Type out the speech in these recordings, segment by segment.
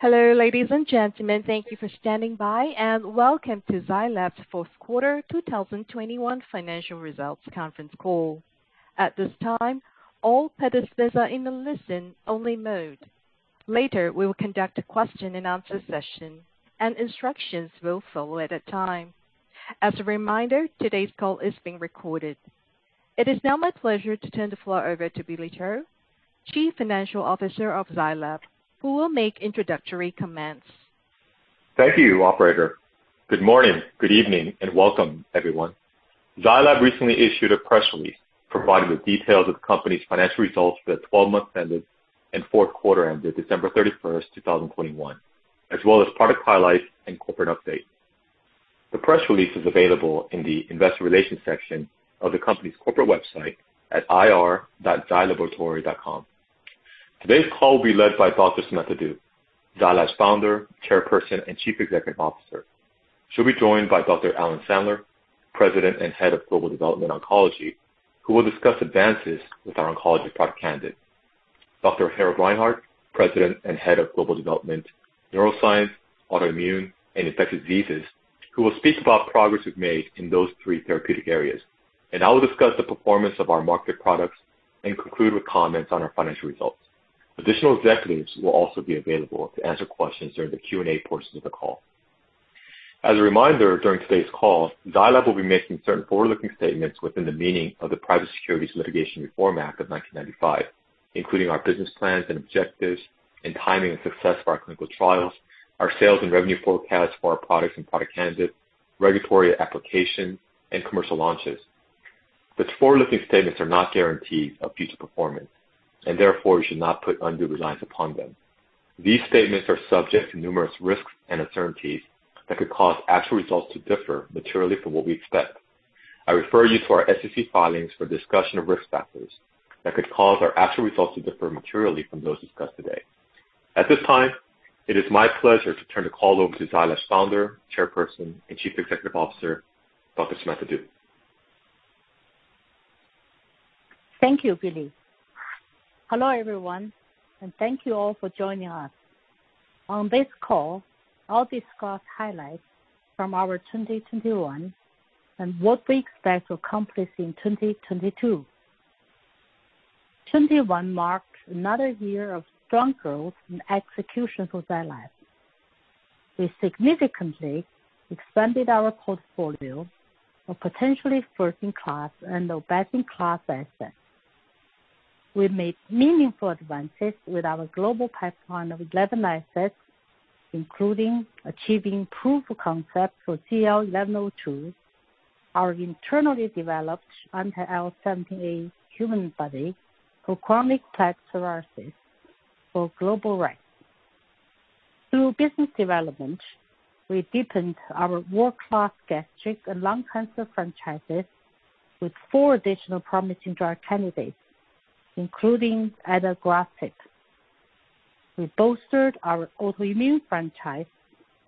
Hello, ladies and gentlemen. Thank you for standing by, and welcome to Zai Lab's Q4 2021 Financial Results Conference Call. At this time, all participants are in a listen-only mode. Later, we will conduct a question-and-answer session, and instructions will follow at that time. As a reminder, today's call is being recorded. It is now my pleasure to turn the floor over to Billy Cho, Chief Financial Officer of Zai Lab, who will make introductory comments. Thank you, operator. Good morning, good evening, and welcome everyone. Zai Lab recently issued a press release providing the details of the company's financial results for the 12-months and Q4 ended December 31, 2021, as well as product highlights and corporate updates. The press release is available in the investor relations section of the company's corporate website at ir.zailaboratory.com. Today's call will be led by Dr. Samantha Du, Zai Lab's founder, chairperson, and chief executive officer. She'll be joined by Dr. Alan Sandler, President and Head of Global Development, Oncology, who will discuss advances with our oncology product candidate. Dr. Harald Reinhart, President and Head of Global Development, Neuroscience, Autoimmune, and Infectious Diseases, who will speak about progress we've made in those three therapeutic areas. I will discuss the performance of our market products and conclude with comments on our financial results. Additional executives will also be available to answer questions during the Q&A portion of the call. As a reminder, during today's call, Zai Lab will be making certain forward-looking statements within the meaning of the Private Securities Litigation Reform Act of 1995, including our business plans and objectives and timing and success of our clinical trials, our sales and revenue forecasts for our products and product candidates, regulatory applications, and commercial launches. These forward-looking statements are not guarantees of future performance, and therefore you should not put undue reliance upon them. These statements are subject to numerous risks and uncertainties that could cause actual results to differ materially from what we expect. I refer you to our SEC filings for a discussion of risk factors that could cause our actual results to differ materially from those discussed today. At this time, it is my pleasure to turn the call over to Zai Lab's founder, chairperson, and chief executive officer, Dr. Samantha Du. Thank you, Billy. Hello, everyone, and thank you all for joining us. On this call, I'll discuss highlights from our 2021 and what we expect to accomplish in 2022. 2021 marked another year of strong growth and execution for Zai Lab. We significantly expanded our portfolio of potentially first-in-class and best-in-class assets. We made meaningful advances with our global pipeline of 11 assets, including achieving proof of concept for ZL-1102, our internally developed anti-IL-17A human antibody for chronic plaque psoriasis for global rights. Through business development, we deepened our world-class gastric and lung cancer franchises with four additional promising drug candidates, including adagrasib. We bolstered our autoimmune franchise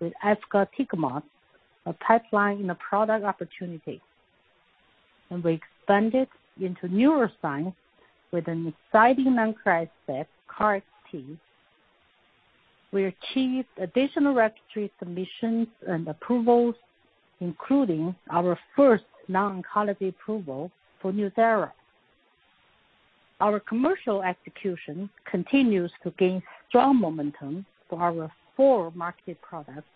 with efgartigimod, a pipeline and a product opportunity. We expanded into neuroscience with an exciting KarXT. We achieved additional registry submissions and approvals, including our first non-oncology approval for NUZYRA. Our commercial execution continues to gain strong momentum for our four market products.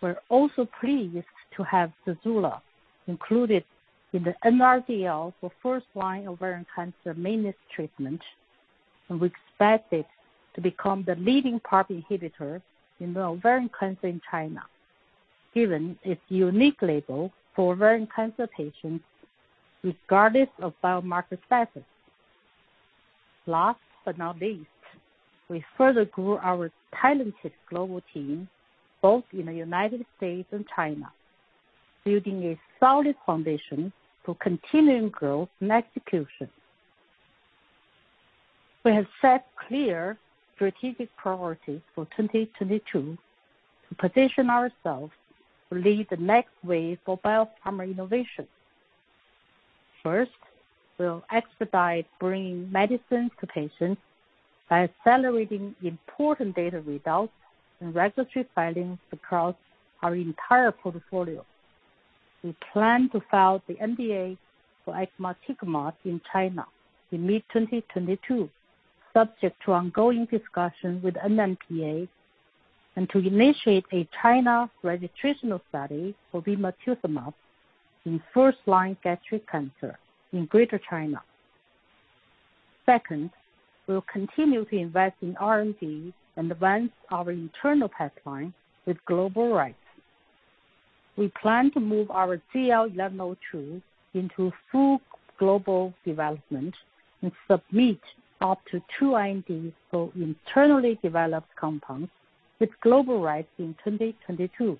We're also pleased to have Zejula included in the NRDL for first-line ovarian cancer maintenance treatment, and we expect it to become the leading PARP inhibitor in the ovarian cancer in China, given its unique label for ovarian cancer patients regardless of biomarker status. Last but not least, we further grew our talented global team, both in the United States and China, building a solid foundation for continuing growth and execution. We have set clear strategic priorities for 2022 to position ourselves to lead the next wave for biopharma innovation. First, we'll expedite bringing medicines to patients by accelerating important data results and regulatory filings across our entire portfolio. We plan to file the NDA for sacituzumab in China in mid-2022, subject to ongoing discussions with NMPA, and to initiate a China registrational study for nimotuzumab in first-line gastric cancer in Greater China. Second, we'll continue to invest in R&D and advance our internal pipeline with global rights. We plan to move our ZL-1102 into full global development and submit up to two INDs for internally developed compounds with global rights in 2022.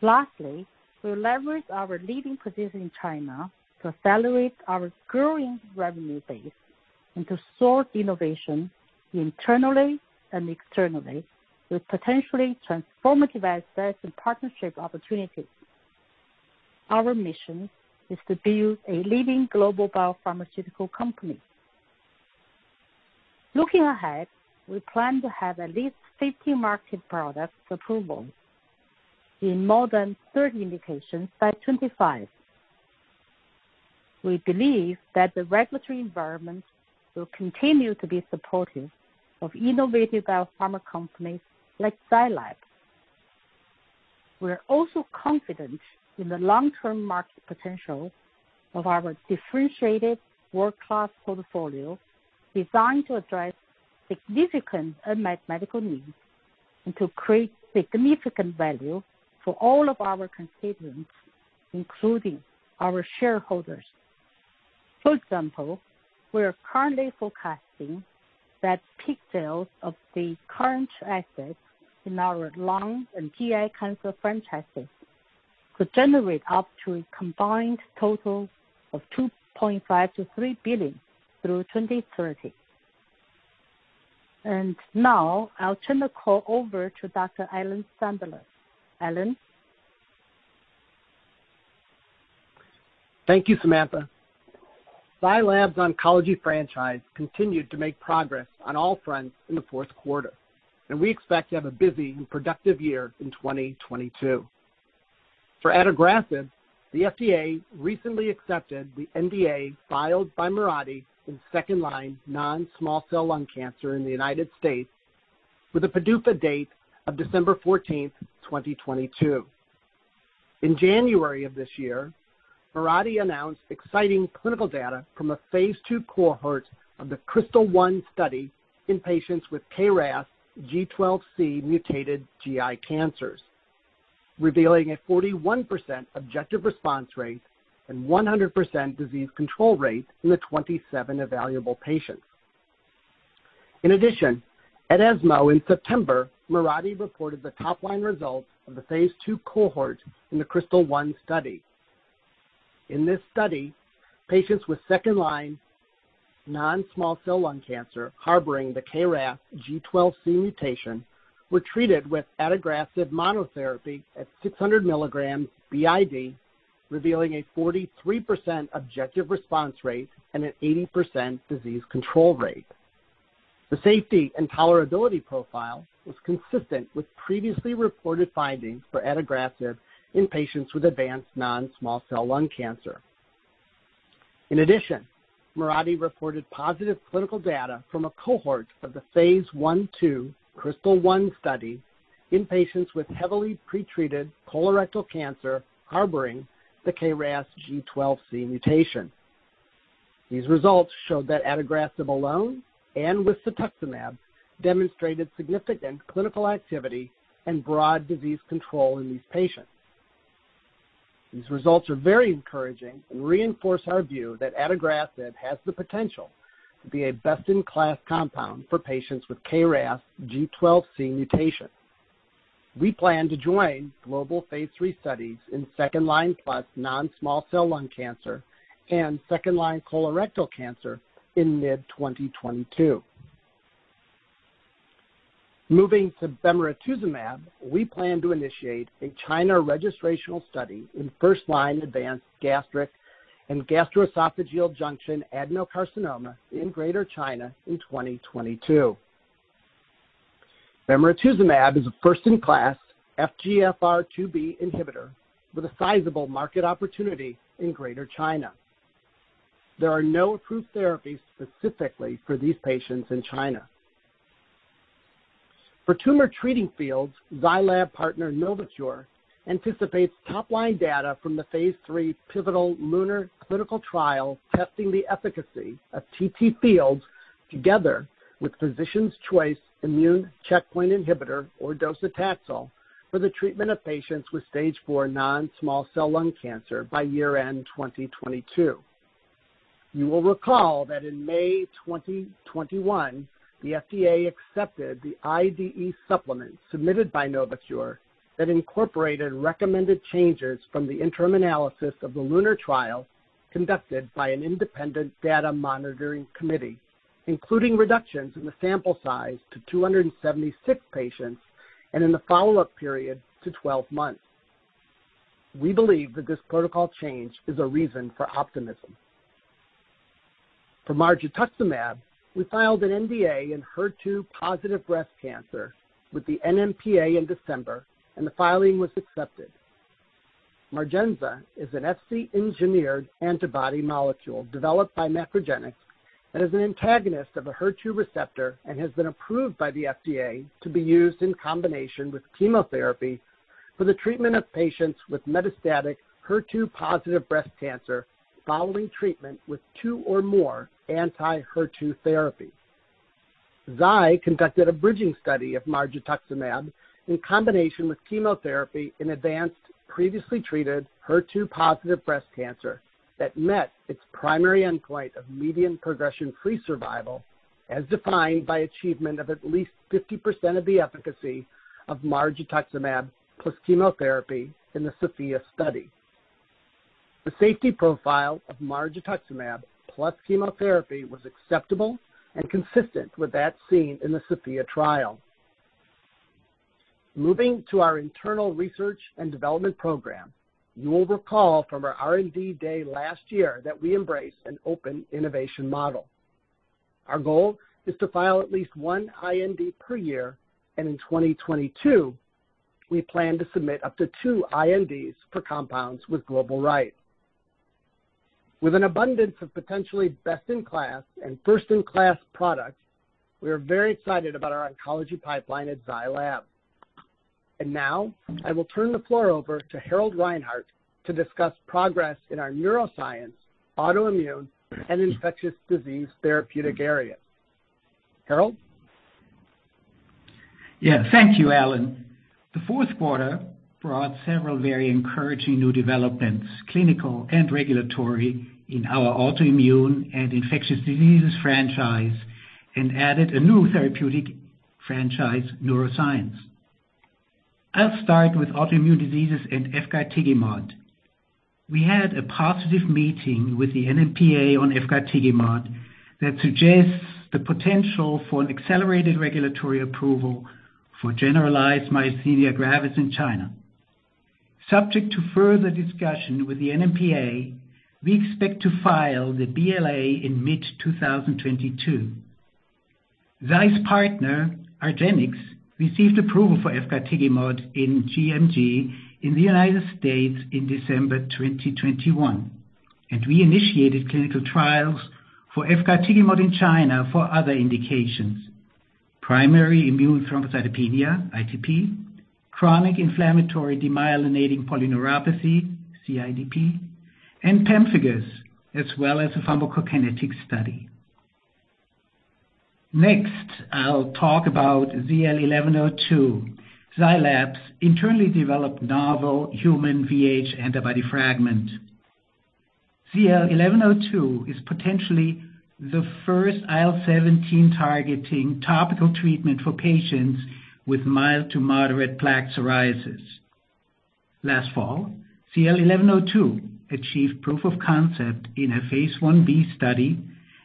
Lastly, we'll leverage our leading position in China to accelerate our growing revenue base and to source innovation internally and externally with potentially transformative assets and partnership opportunities. Our mission is to build a leading global biopharmaceutical company. Looking ahead, we plan to have at least 50 market products approval in more than 30 indications by 2025. We believe that the regulatory environment will continue to be supportive of innovative biopharma companies like Zai Lab. We're also confident in the long-term market potential of our differentiated world-class portfolio, designed to address significant unmet medical needs and to create significant value for all of our constituents, including our shareholders. For example, we are currently forecasting that peak sales of the current assets in our lung and GI cancer franchises could generate up to a combined total of $2.5-3 billion through 2030. Now I'll turn the call over to Dr. Alan Sandler. Alan? Thank you, Samantha. Zai Lab's oncology franchise continued to make progress on all fronts in Q4, and we expect to have a busy and productive year in 2022. For adagrasib, the FDA recently accepted the NDA filed by Mirati in second-line non-small cell lung cancer in the United States with a PDUFA date of December 14, 2022. In January of this year, Mirati announced exciting clinical data from a phase II cohort of the KRYSTAL-1 study in patients with KRAS G12C mutated GI cancers, revealing a 41% objective response rate and 100% disease control rate in the 27 evaluable patients. In addition, at ESMO in September, Mirati reported the top-line results of the phase II cohort in the KRYSTAL-1 study. In this study, patients with second-line non-small cell lung cancer harboring the KRAS G12C mutation were treated with adagrasib monotherapy at 600mg BID, revealing a 43% objective response rate and an 80% disease control rate. The safety and tolerability profile was consistent with previously reported findings for adagrasib in patients with advanced non-small cell lung cancer. In addition, Mirati reported positive clinical data from a cohort of the phase I/II KRYSTAL-1 study in patients with heavily pretreated colorectal cancer harboring the KRAS G12C mutation. These results showed that adagrasib alone and with cetuximab demonstrated significant clinical activity and broad disease control in these patients. These results are very encouraging and reinforce our view that adagrasib has the potential to be a best-in-class compound for patients with KRAS G12C mutation. We plan to join global phase III studies in second-line+ non-small cell lung cancer and second-line colorectal cancer in mid-2022. Moving to bemarituzumab, we plan to initiate a China registrational study in first-line advanced gastric and gastroesophageal junction adenocarcinoma in Greater China in 2022. Bemarituzumab is a first-in-class FGFR2B inhibitor with a sizable market opportunity in Greater China. There are no approved therapies specifically for these patients in China. For Tumor Treating Fields, Zai Lab partner Novocure anticipates top-line data from the phase III pivotal LUNAR clinical trial testing the efficacy of TTFields together with physicians' choice immune checkpoint inhibitor or docetaxel for the treatment of patients with stage 4 non-small cell lung cancer by year-end 2022. You will recall that in May 2021, the FDA accepted the IDE supplement submitted by Novocure that incorporated recommended changes from the interim analysis of the LUNAR trial conducted by an independent data monitoring committee, including reductions in the sample size to 276 patients and in the follow-up period to 12 months. We believe that this protocol change is a reason for optimism. For margetuximab, we filed an NDA in HER2-positive breast cancer with the NMPA in December, and the filing was accepted. Margetuximab is an Fc-engineered antibody molecule developed by MacroGenics and is an antagonist of a HER2 receptor and has been approved by the FDA to be used in combination with chemotherapy for the treatment of patients with metastatic HER2-positive breast cancer following treatment with two or more anti-HER2 therapy. Zai conducted a bridging study of margetuximab in combination with chemotherapy in advanced previously treated HER2-positive breast cancer that met its primary endpoint of median progression-free survival as defined by achievement of at least 50% of the efficacy of margetuximab plus chemotherapy in the SOPHIA study. The safety profile of margetuximab plus chemotherapy was acceptable and consistent with that seen in the SOPHIA trial. Moving to our internal research and development program, you will recall from our R&D day last year that we embrace an open innovation model. Our goal is to file at least one IND per year, and in 2022, we plan to submit up to two INDs per compounds with global rights. With an abundance of potentially best-in-class and first-in-class products, we are very excited about our oncology pipeline at Zai Lab. Now, I will turn the floor over to Harald Reinhart to discuss progress in our neuroscience, autoimmune, and infectious disease therapeutic area. Harald. Yeah. Thank you, Alan. Q4 brought several very encouraging new developments, clinical and regulatory, in our autoimmune and infectious diseases franchise, and added a new therapeutic franchise, neuroscience. I'll start with autoimmune diseases and efgartigimod. We had a positive meeting with the NMPA on efgartigimod that suggests the potential for an accelerated regulatory approval for generalized myasthenia gravis in China. Subject to further discussion with the NMPA, we expect to file the BLA in mid-2022. Zai's partner, argenx, received approval for efgartigimod in gMG in the United States in December 2021. We initiated clinical trials for efgartigimod in China for other indications, primary immune thrombocytopenia, ITP, chronic inflammatory demyelinating polyneuropathy, CIDP, and pemphigus, as well as a pharmacokinetic study. Next, I'll talk about ZL-1102, Zai Lab's internally developed novel human VH antibody fragment. ZL-1102 is potentially the first IL-17 targeting topical treatment for patients with mild to moderate plaque psoriasis. Last fall, ZL-1102 achieved proof of concept in a phase Ib study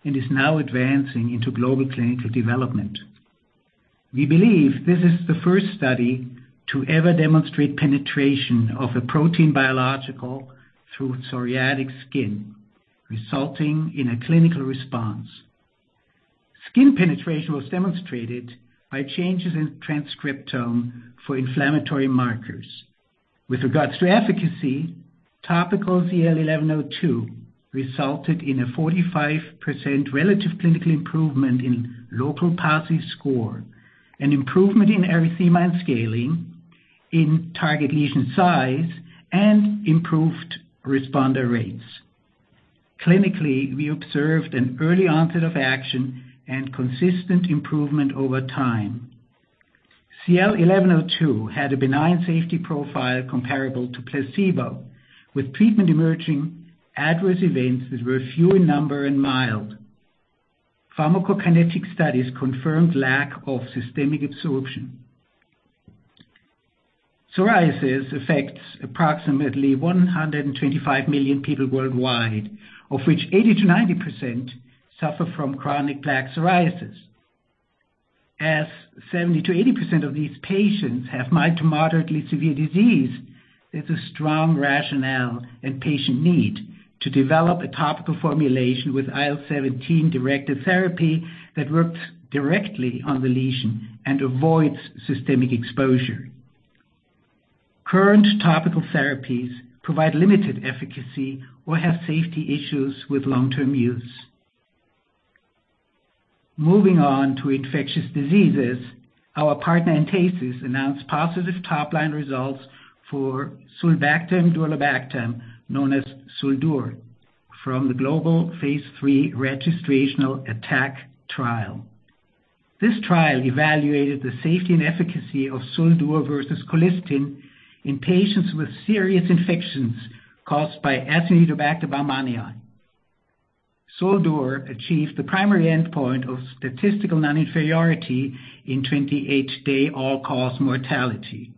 and is now advancing into global clinical development. We believe this is the first study to ever demonstrate penetration of a protein biological through psoriatic skin, resulting in a clinical response. Skin penetration was demonstrated by changes in transcriptome for inflammatory markers. With regards to efficacy, topical ZL-1102 resulted in a 45% relative clinical improvement in local PASI score, an improvement in erythema and scaling, in target lesion size, and improved responder rates. Clinically, we observed an early onset of action and consistent improvement over time. ZL-1102 had a benign safety profile comparable to placebo, with treatment-emerging adverse events that were few in number and mild. Pharmacokinetic studies confirmed lack of systemic absorption. Psoriasis affects approximately 125 million people worldwide, of which 80%-90% suffer from chronic plaque psoriasis. As 70%-80% of these patients have mild to moderately severe disease, there's a strong rationale and patient need to develop a topical formulation with IL-17-directed therapy that works directly on the lesion and avoids systemic exposure. Current topical therapies provide limited efficacy or have safety issues with long-term use. Moving on to infectious diseases. Our partner, Entasis, announced positive top-line results for sulbactam-durlobactam, known as SUL-DUR, from the global phase III registrational ATTACK trial. This trial evaluated the safety and efficacy of SUL-DUR versus colistin in patients with serious infections caused by Acinetobacter baumannii. SUL-DUR achieved the primary endpoint of statistical non-inferiority in 28-day all-cause mortality.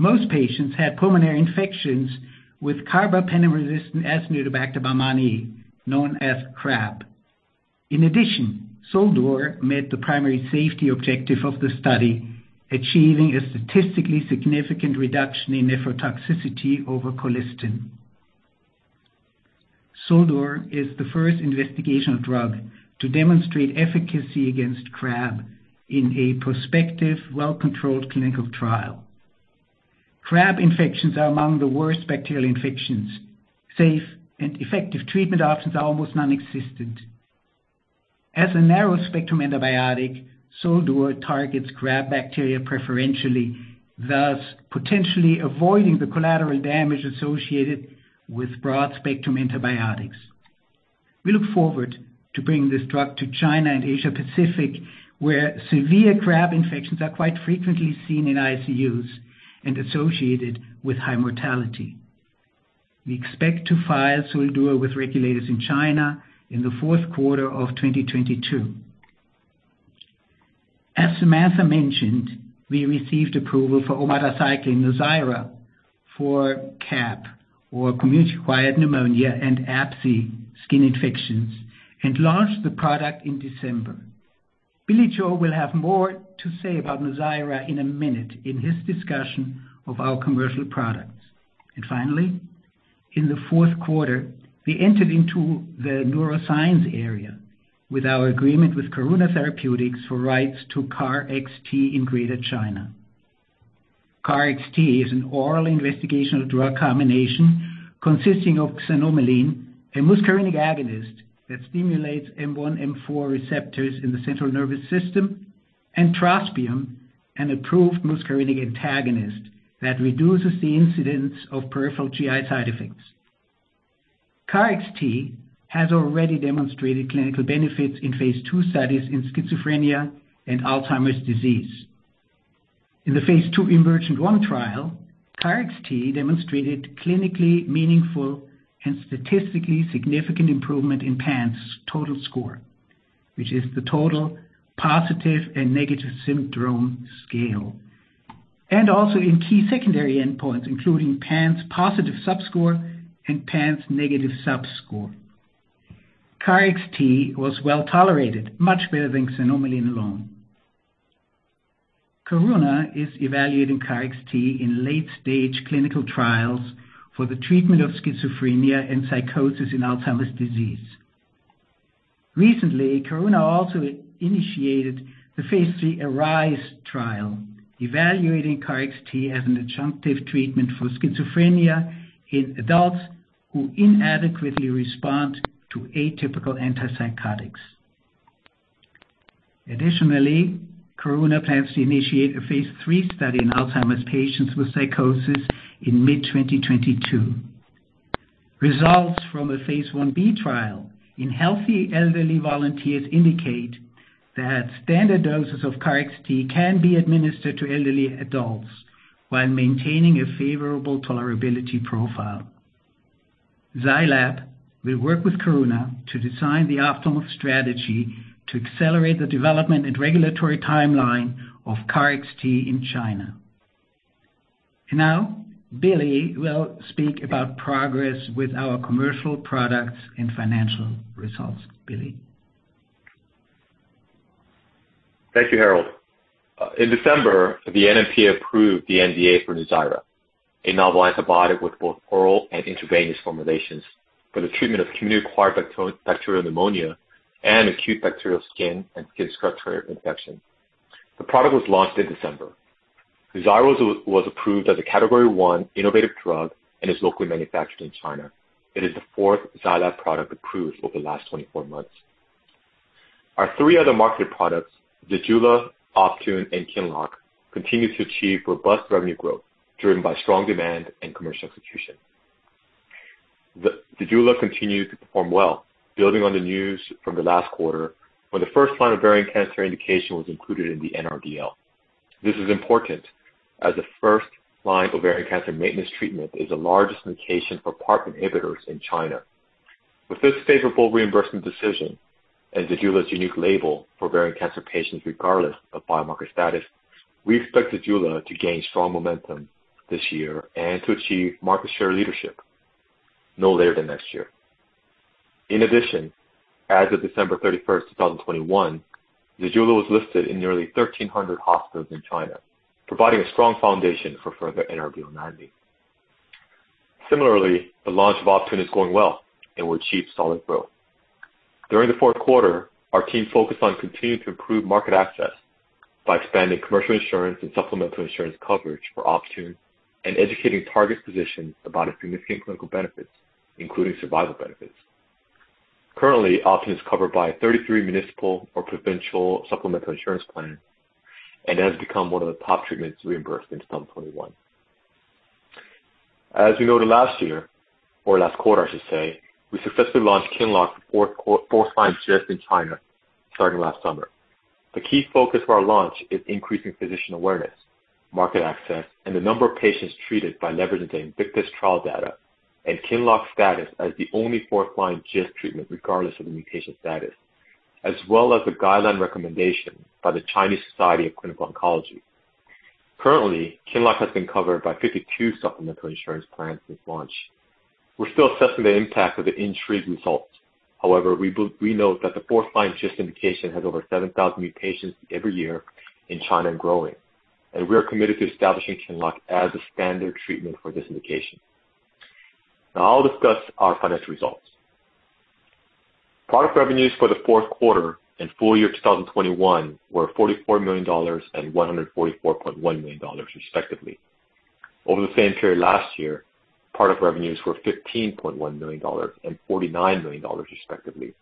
Most patients had pulmonary infections with carbapenem-resistant Acinetobacter baumannii, known as CRAB. In addition, sulbactam-durlobactam met the primary safety objective of the study, achieving a statistically significant reduction in nephrotoxicity over colistin. Sulbactam-durlobactam is the first investigational drug to demonstrate efficacy against CRAB in a prospective, well-controlled clinical trial. CRAB infections are among the worst bacterial infections. Safe and effective treatment options are almost non-existent. As a narrow-spectrum antibiotic, sulbactam-durlobactam targets CRAB bacteria preferentially, thus potentially avoiding the collateral damage associated with broad-spectrum antibiotics. We look forward to bringing this drug to China and Asia Pacific, where severe CRAB infections are quite frequently seen in ICUs and associated with high mortality. We expect to file sulbactam-durlobactam with regulators in China in Q4 of 2022. As Samantha mentioned, we received approval for omadacycline, NUZYRA for CAP, or community-acquired pneumonia and ABSSSI skin infections, and launched the product in December. Billy Cho will have more to say about NUZYRA in a minute in his discussion of our commercial products. Finally, in Q4, we entered into the neuroscience area with our agreement with Karuna Therapeutics for rights to KarXT in Greater China. KarXT is an oral investigational drug combination consisting of xanomeline, a muscarinic agonist that stimulates M1/M4 receptors in the central nervous system, and trospium, an approved muscarinic antagonist that reduces the incidence of peripheral GI side effects. KarXT has already demonstrated clinical benefits in phase II studies in schizophrenia and Alzheimer's disease. In the phase II EMERGENT-1 trial, KarXT demonstrated clinically meaningful and statistically significant improvement in PANSS total score, which is the total positive and negative syndrome scale, and also in key secondary endpoints, including PANSS positive subscore and PANSS negative subscore. KarXT was well-tolerated, much better than xanomeline alone. Karuna is evaluating KarXT in late-stage clinical trials for the treatment of schizophrenia and psychosis in Alzheimer's disease. Recently, Karuna also initiated the phase III ARISE trial evaluating KarXT as an adjunctive treatment for schizophrenia in adults who inadequately respond to atypical antipsychotics. Additionally, Karuna plans to initiate a phase III study in Alzheimer's patients with psychosis in mid-2022. Results from a phase IB trial in healthy elderly volunteers indicate that standard doses of KarXT can be administered to elderly adults while maintaining a favorable tolerability profile. Zai Lab will work with Karuna to design the optimal strategy to accelerate the development and regulatory timeline of KarXT in China. Now Billy will speak about progress with our commercial products and financial results. Billy. Thank you, Harald. In December, the NMPA approved the NDA for NUZYRA, a novel antibiotic with both oral and intravenous formulations for the treatment of community-acquired bacterial pneumonia and acute bacterial skin and skin structure infection. The product was launched in December. NUZYRA was approved as a Category 1 innovative drug and is locally manufactured in China. It is the fourth Zai Lab product approved over the last 24 months. Our three other marketed products, ZEJULA, Optune, and QINLOCK, continue to achieve robust revenue growth driven by strong demand and commercial execution. ZEJULA continued to perform well, building on the news from the last quarter when the first-line ovarian cancer indication was included in the NRDL. This is important as the first-line ovarian cancer maintenance treatment is the largest indication for PARP inhibitors in China. With this favorable reimbursement decision and ZEJULA's unique label for ovarian cancer patients, regardless of biomarker status, we expect ZEJULA to gain strong momentum this year and to achieve market share leadership no later than next year. In addition, as of December 31, 2021, ZEJULA was listed in nearly 1,300 hospitals in China, providing a strong foundation for further NRDL online. Similarly, the launch of Optune is going well and will achieve solid growth. During the Q4, our team focused on continuing to improve market access by expanding commercial insurance and supplemental insurance coverage for Optune and educating target physicians about its significant clinical benefits, including survival benefits. Currently, Optune is covered by 33 municipal or provincial supplemental insurance plans and has become one of the top treatments reimbursed in 2021. As we noted last year, or last quarter, I should say, we successfully launched QINLOCK fourth line just in China starting last summer. The key focus of our launch is increasing physician awareness, market access, and the number of patients treated by leveraging the INVICTUS trial data and QINLOCK status as the only fourth line GIST treatment, regardless of the mutation status, as well as the guideline recommendation by the Chinese Society of Clinical Oncology. Currently, QINLOCK has been covered by 52 supplemental insurance plans since launch. We're still assessing the impact of the INTRIGUE results. However, we note that the fourth line GIST indication has over 7,000 new patients every year in China and growing, and we are committed to establishing QINLOCK as the standard treatment for this indication. Now I'll discuss our financial results. Product revenues for Q4 and full year 2021 were $44 and 144.1 million, respectively. Over the same period last year, product revenues were $15.1 and 49 million, respectively.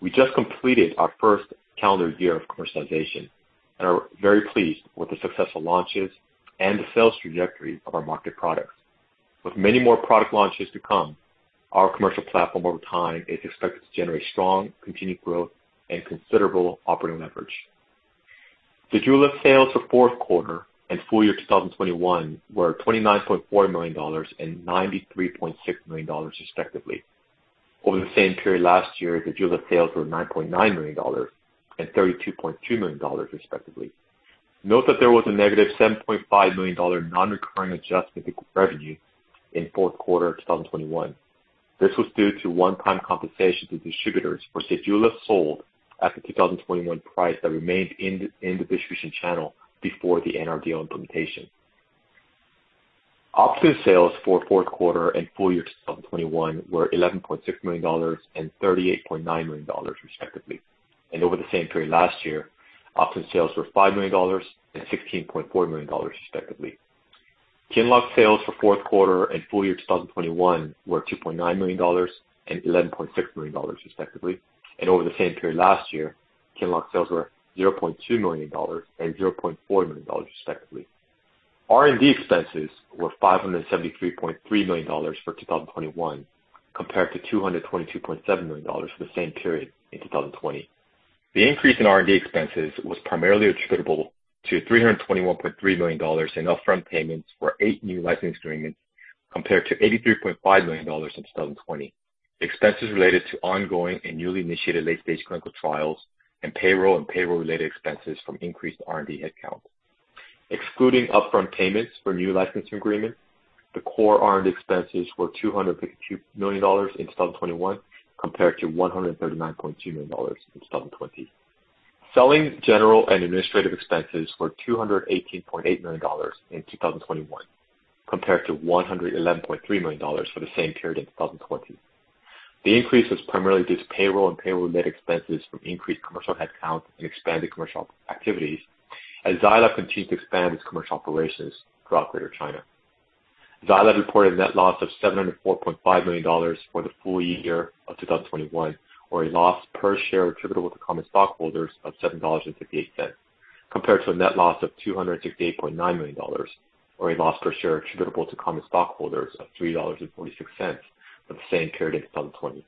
We just completed our first calendar year of commercialization and are very pleased with the successful launches and the sales trajectory of our market products. With many more product launches to come, our commercial platform over time is expected to generate strong, continued growth and considerable operating leverage. ZEJULA sales for Q4 and full year 2021 were $29.4 and 93.6 million, respectively. Over the same period last year, the ZEJULA sales were $9.9 and 32.2 million respectively. Note that there was a - $7.5 million non-recurring adjustment to revenue in Q4 of 2021. This was due to one-time compensation to distributors for ZEJULA sold at the 2021 price that remained in the distribution channel before the NRDL implementation. Optune sales for fourth quarter and full year 2021 were $11.6 and 38.9 million respectively. Over the same period last year, Optune sales were $5 and 16.4 million respectively. QINLOCK sales for Q4 and full year 2021 were $2.9 and 11.6 million respectively. Over the same period last year, QINLOCK sales were $0.2 and 0.4 million respectively. R&D expenses were $573.3 for 2021 compared to 222.7 million for the same period in 2020. The increase in R&D expenses was primarily attributable to $321.3 in upfront payments for eight new licensing agreements, compared to 83.5 million in 2020, expenses related to ongoing and newly initiated late-stage clinical trials, and payroll and payroll-related expenses from increased R&D headcount. Excluding upfront payments for new license agreement, the core R&D expenses were $252 in 2021 compared to 139.2 million in 2020. Selling, general, and administrative expenses were $218.8 in 2021 compared to 111.3 million for the same period in 2020. The increase was primarily due to payroll and payroll-related expenses from increased commercial headcount and expanded commercial activities as Zai Lab continues to expand its commercial operations throughout Greater China. Zai Lab reported a net loss of $704.5 million for the full year of 2021, or a loss per share attributable to common stockholders of $7.58, compared to a net loss of 268.9 million, or a loss per share attributable to common stockholders of $3.46 for the same period in 2020.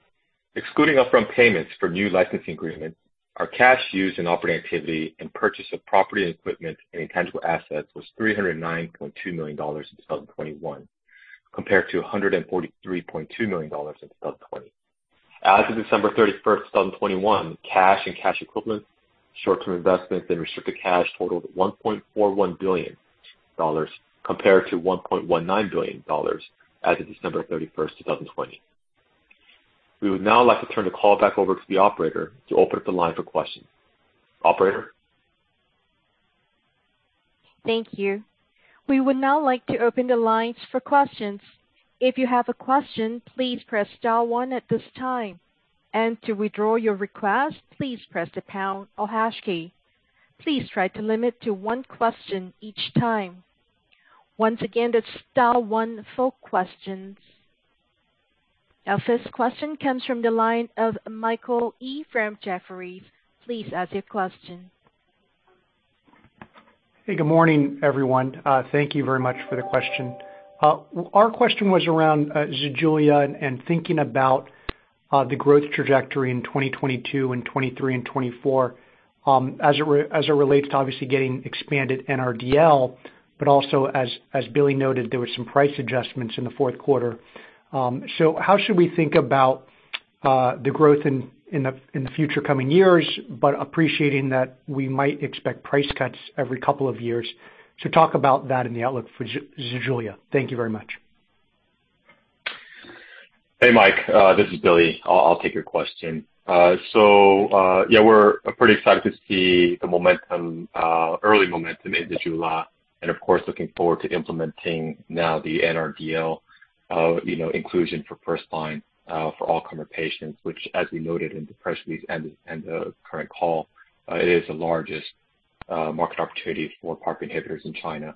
Excluding upfront payments for new licensing agreements, our cash used in operating activity and purchase of property and equipment and intangible assets was $309.2 in 2021 compared to 143.2 million in 2020. As of December 31, 2021, cash and cash equivalents, short-term investments and restricted cash totaled $1.41 compared to 1.19 billion as of December 31, 2020. We would now like to turn the call back over to the operator to open up the line for questions. Operator? Thank you. We would now like to open the lines for questions. If you have a question, please press star one at this time. To withdraw your request, please press the pound or hash key. Please try to limit to one question each time. Once again, that's star one for questions. Our first question comes from the line of Michael Yee from Jefferies. Please ask your question. Hey, good morning, everyone. Thank you very much for the question. Our question was around ZEJULA and thinking about the growth trajectory in 2022 and 2023 and 2024, as it relates to obviously getting expanded NRDL, but also as Billy noted, there were some price adjustments in Q4. How should we think about the growth in the future coming years, but appreciating that we might expect price cuts every couple of years? Talk about that in the outlook for ZEJULA. Thank you very much. Hey, Mike, this is Billy. I'll take your question. So, yeah, we're pretty excited to see the momentum, early momentum in ZEJULA, and of course, looking forward to implementing now the NRDL, you know, inclusion for first line, for all comer patients, which as we noted in the press release and the current call, it is the largest market opportunity for PARP inhibitors in China.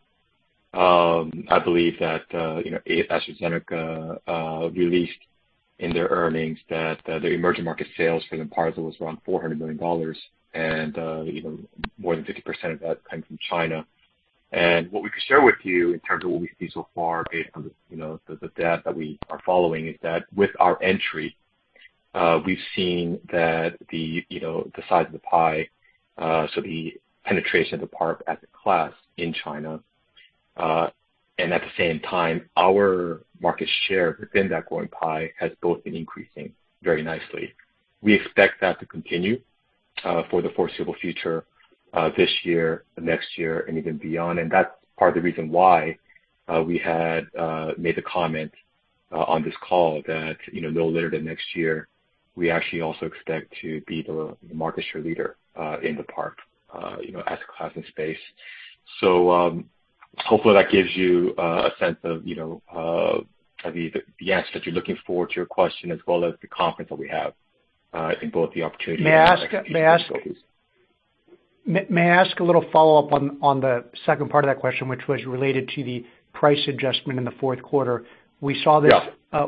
I believe that, you know, AstraZeneca released in their earnings that their emerging market sales for Lynparza was around $400 million and, you know, more than 50% of that came from China. What we can share with you in terms of what we've seen so far based on the, you know, the data that we are following is that with our entry, we've seen that the, you know, the size of the pie, so the penetration of the PARP as a class in China, and at the same time, our market share within that growing pie has both been increasing very nicely. We expect that to continue for the foreseeable future, this year, next year, and even beyond. That's part of the reason why we had made the comment on this call that, you know, a little later than next year, we actually also expect to be the market share leader in the PARP, you know, as a class in space. Hopefully that gives you a sense of, you know, the answer that you're looking for to your question as well as the confidence that we have in both the opportunity. May I ask a little follow-up on the second part of that question, which was related to the price adjustment in Q4? Yeah. We saw this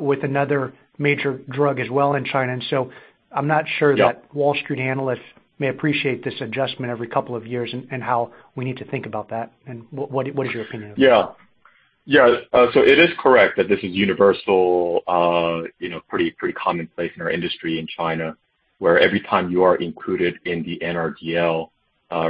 with another major drug as well in China, and so I'm not sure that- Yeah. Wall Street analysts may appreciate this adjustment every couple of years and how we need to think about that. What is your opinion of that? Yeah. So it is correct that this is universal, you know, pretty commonplace in our industry in China, where every time you are included in the NRDL,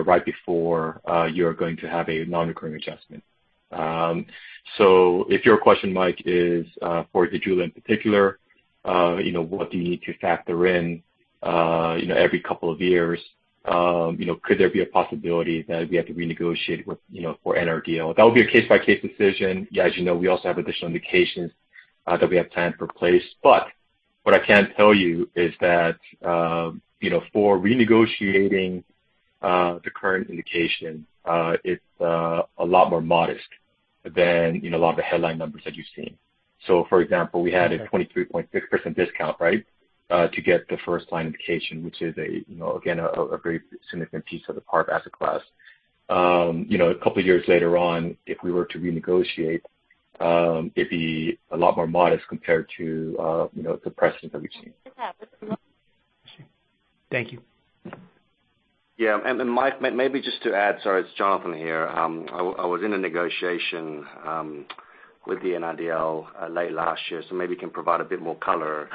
right before, you're going to have a non-recurring adjustment. If your question, Mike, is for ZEJULA in particular, you know, what do you need to factor in, you know, every couple of years? You know, could there be a possibility that we have to renegotiate for NRDL? That would be a case-by-case decision. Yeah, as you know, we also have additional indications that we have in the pipeline. What I can tell you is that, you know, for renegotiating the current indication, it's a lot more modest than, you know, a lot of the headline numbers that you've seen. For example, we had a 23.6% discount, right, to get the first-line indication, which is, you know, again, a very significant piece of the PARP asset class. You know, a couple of years later on, if we were to renegotiate, it'd be a lot more modest compared to, you know, the precedent that we've seen. Thank you. Mike, maybe just to add. Sorry, it's Jonathan here. I was in a negotiation with the NRDL late last year, so maybe you can provide a bit more color.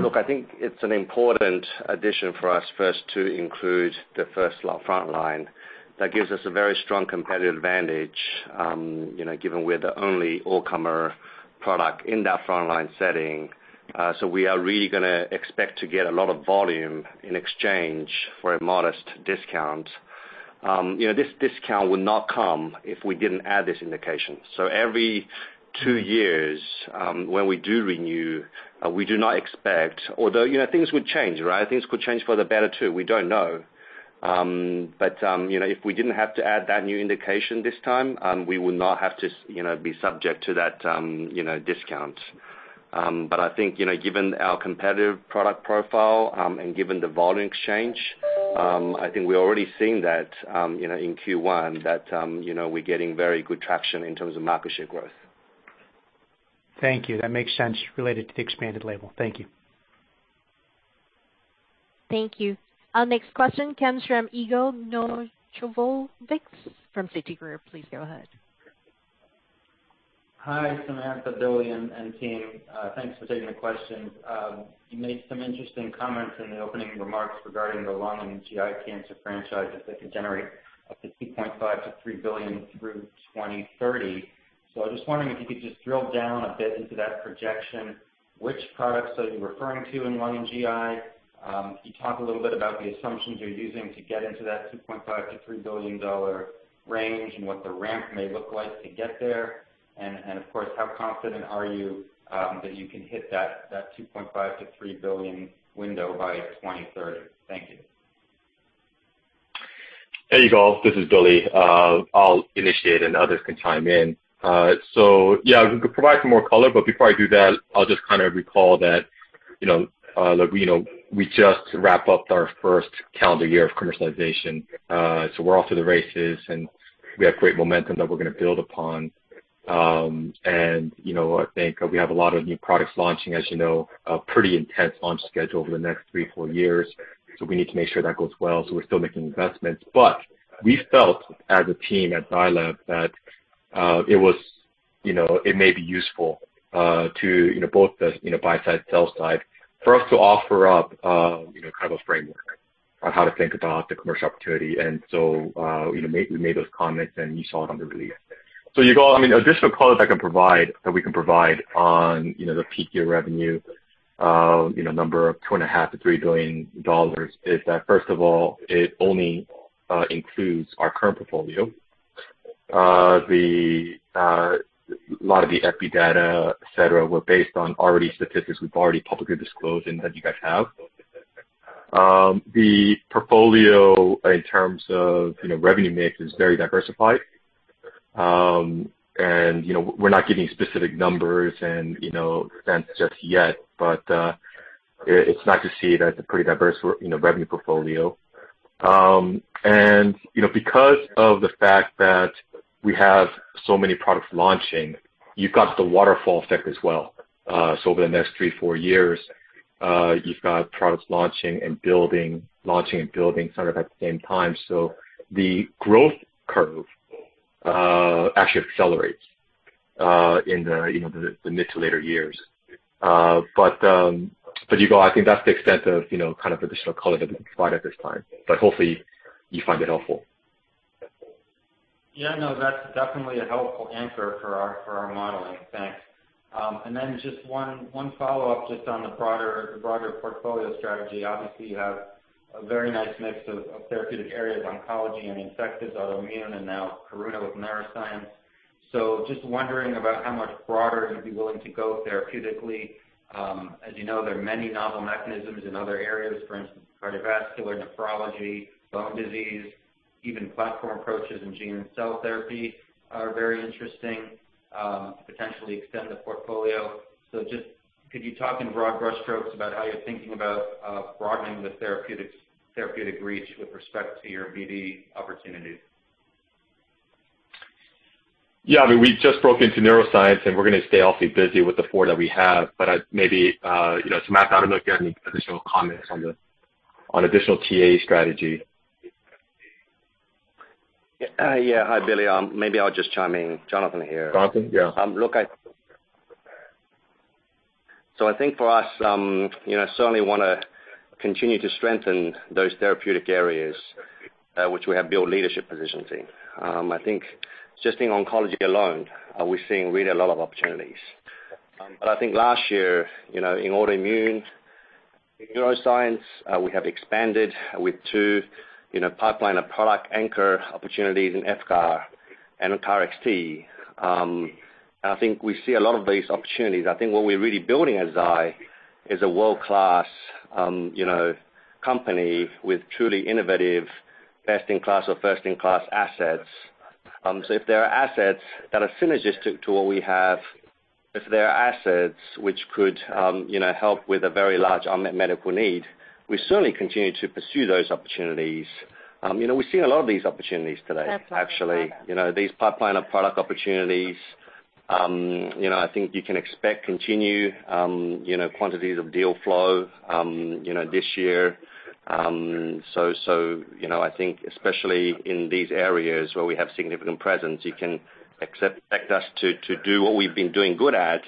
Look, I think it's an important addition for us first to include the first-line front line. That gives us a very strong competitive advantage, you know, given we're the only all-comer product in that front-line setting. So we are really gonna expect to get a lot of volume in exchange for a modest discount. You know, this discount would not come if we didn't add this indication. Every two years, when we do renew, we do not expect. Although, you know, things would change, right? Things could change for the better, too. We don't know. You know, if we didn't have to add that new indication this time, we would not have to, you know, be subject to that, you know, discount. I think, you know, given our competitive product profile and given the volume exchange, I think we're already seeing that, you know, in Q1 that, you know, we're getting very good traction in terms of market share growth. Thank you. That makes sense related to the expanded label. Thank you. Thank you. Our next question comes from Yigal Nochomovitz from Citigroup. Please go ahead. Hi, Samantha, Billy, and team. Thanks for taking the questions. You made some interesting comments in the opening remarks regarding the lung and GI cancer franchises that could generate up to $2.5-3 billion through 2030. I was just wondering if you could just drill down a bit into that projection. Which products are you referring to in lung and GI? Can you talk a little bit about the assumptions you're using to get into that $2.5-3 billion dollar range and what the ramp may look like to get there? Of course, how confident are you that you can hit that $2.5-3 billion window by 2030? Thank you. Hey, Yigal Nochomovitz. This is Billy Cho. I'll initiate and others can chime in. Yeah, we could provide some more color, but before I do that, I'll just kind of recall that, you know, look, you know, we just wrapped up our first calendar year of commercialization. We're off to the races, and we have great momentum that we're gonna build upon. You know, I think we have a lot of new products launching, as you know, a pretty intense launch schedule over the next three, four years. We need to make sure that goes well, so we're still making investments. We felt as a team at Zai Lab that, you know, it may be useful, to, you know, both the, you know, buy side, sell side, for us to offer up, you know, kind of a framework on how to think about the commercial opportunity. We made those comments and you saw it on the release. You know, I mean, additional color that we can provide on, you know, the peak year revenue, you know, number of $2.5-3 billion is that, first of all, it only includes our current portfolio. A lot of the epi data, et cetera, were based on statistics we've publicly disclosed and that you guys have. The portfolio in terms of, you know, revenue mix is very diversified. You know, we're not giving specific numbers and, you know, since just yet, but it's nice to see that it's a pretty diverse revenue portfolio. You know, because of the fact that we have so many products launching, you've got the waterfall effect as well. Over the next three, four years, you've got products launching and building, launching and building sort of at the same time. The growth curve actually accelerates in the, you know, the mid to later years. You know, I think that's the extent of, you know, kind of additional color that we can provide at this time, but hopefully you find it helpful. That's definitely a helpful answer for our modeling. Thanks. Then just one follow-up just on the broader portfolio strategy. Obviously, you have a very nice mix of therapeutic areas, oncology and infectives, autoimmune, and now Karuna with neuroscience. Just wondering about how much broader you'd be willing to go therapeutically. As you know, there are many novel mechanisms in other areas. For instance, cardiovascular, nephrology, bone disease, even platform approaches in gene and cell therapy are very interesting to potentially extend the portfolio. Just could you talk in broad brush strokes about how you're thinking about broadening the therapeutic reach with respect to your BD opportunities? Yeah. I mean, we just broke into neuroscience, and we're gonna stay awfully busy with the four that we have. But I'd maybe, you know, Jonathan, I don't know if you have any additional comments on additional TA strategy. Yeah. Hi, Billy. Maybe I'll just chime in. Jonathan here. Jonathan? Yeah. I think for us, you know, certainly wanna continue to strengthen those therapeutic areas, which we have built leadership positions in. I think just in oncology alone, we're seeing really a lot of opportunities. I think last year, you know, in autoimmune, in neuroscience, we have expanded with two, you know, pipeline of product anchor opportunities in VYVGART and in KarXT. I think we see a lot of these opportunities. I think what we're really building at Zai is a world-class, you know, company with truly innovative best-in-class or first-in-class assets. If there are assets that are synergistic to what we have, if there are assets which could, you know, help with a very large unmet medical need, we certainly continue to pursue those opportunities. You know, we've seen a lot of these opportunities today, actually. You know, these pipeline of product opportunities, you know, I think you can expect continued, you know, quantities of deal flow, you know, this year. You know, I think especially in these areas where we have significant presence, you can expect us to do what we've been doing good at,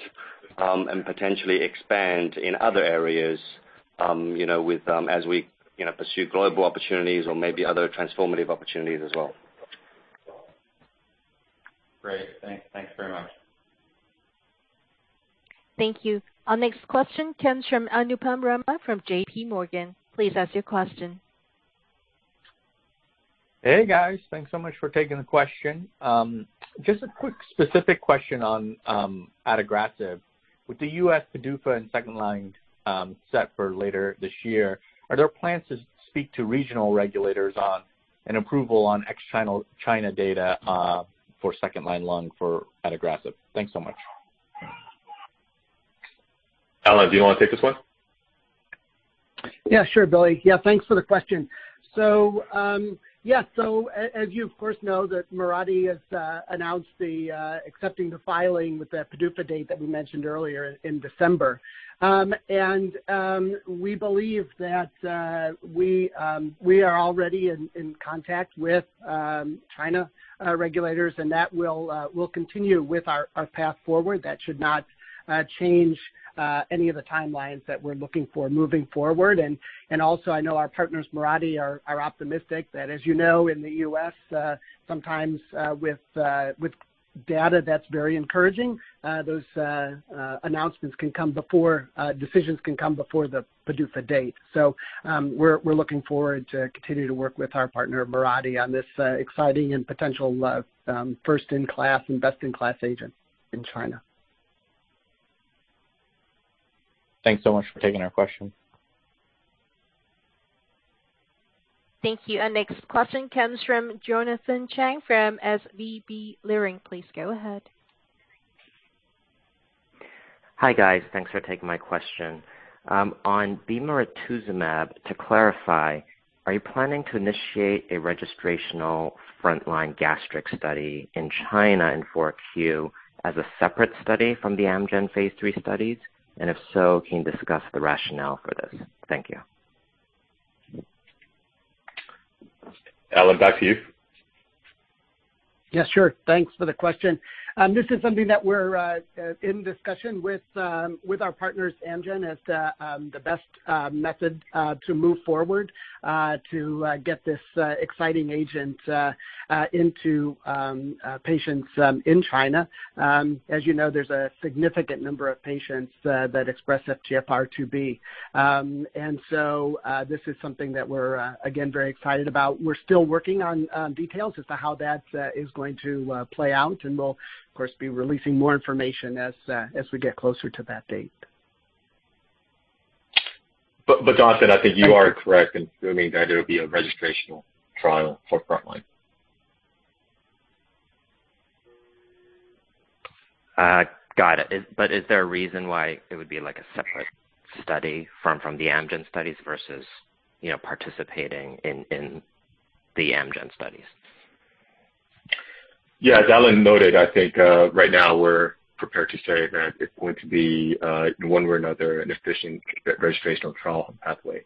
and potentially expand in other areas, you know, as we, you know, pursue global opportunities or maybe other transformative opportunities as well. Great. Thanks. Thanks very much. Thank you. Our next question comes from Anupam Rama from J.P. Morgan. Please ask your question. Hey, guys. Thanks so much for taking the question. Just a quick specific question on adagrasib. With the U.S. PDUFA in second line, set for later this year, are there plans to speak to regional regulators on an approval on ex-China, China data, for second-line lung for adagrasib? Thanks so much. Alan, do you wanna take this one? Yeah, sure, Billy. Yeah, thanks for the question. So, as you of course know, Mirati has announced the acceptance of the filing with the PDUFA date that we mentioned earlier in December. We believe that we are already in contact with Chinese regulators, and that will continue with our path forward. That should not change any of the timelines that we're looking for moving forward. Also, I know our partners, Mirati, are optimistic that as you know, in the U.S., sometimes with data that's very encouraging, those announcements can come before decisions can come before the PDUFA date. We're looking forward to continue to work with our partner, Mirati, on this exciting and potential first-in-class and best-in-class agent in China. Thanks so much for taking our question. Thank you. Our next question comes from Jonathan Chang from SVB Leerink. Please go ahead. Hi, guys. Thanks for taking my question. On bemarituzumab, to clarify, are you planning to initiate a registrational frontline gastric study in China in Q4 as a separate study from the Amgen phase III studies? And if so, can you discuss the rationale for this? Thank you. Alan, back to you. Yeah, sure. Thanks for the question. This is something that we're in discussion with our partners, Amgen, as the best method to move forward to get this exciting agent into patients in China. As you know, there's a significant number of patients that express FGFR2B. This is something that we're again, very excited about. We're still working on details as to how that is going to play out, and we'll of course be releasing more information as we get closer to that date. Jonathan, I think you are correct in assuming that it'll be a registrational trial for frontline. Got it. Is there a reason why it would be like a separate study from the Amgen studies versus, you know, participating in the Amgen studies? Yeah, as Alan noted, I think right now we're prepared to say that it's going to be in one way or another an efficient registrational trial pathway.